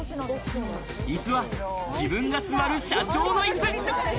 椅子は自分が座る社長の椅子に。